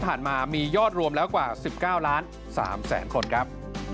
ที่ผ่านมามียอดรวมแล้วกว่า๑๙ล้าน๓แสนคนครับ